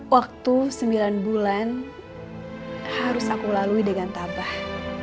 waktu sembilan bulan harus aku lalui dengan tabah